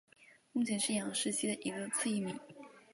目前也是杨氏蜥的一个次异名。